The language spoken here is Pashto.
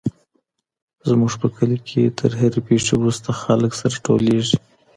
زموږ په کلي کي تر هرې پېښي وروسته خلک سره ټولېږي.